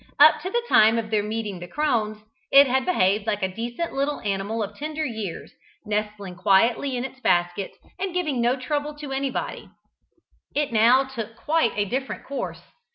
Up to the time of their meeting the crones, it had behaved like a decent little animal of tender years, nestling quietly in its basket, and giving no trouble to anybody. It now took quite a different course.